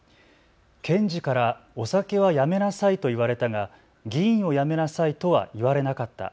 検事からお酒はやめなさいと言われたが議員を辞めなさいとは言われなかった。